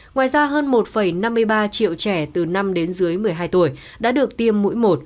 ngoài ra hơn một năm mươi ba triệu trẻ từ năm đến dưới một mươi hai tuổi đã được tiêm mũi một